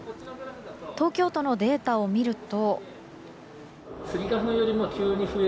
東京都のデータを見ると。